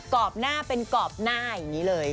รอบหน้าเป็นกรอบหน้าอย่างนี้เลย